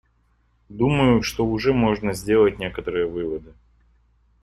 Думаю, что уже можно сделать некоторые выводы.